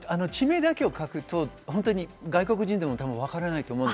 地名だけを書くと外国人でもわからないと思います。